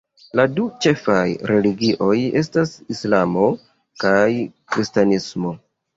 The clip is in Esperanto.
La du ĉefaj religioj estas Islamo kaj Kristanismo.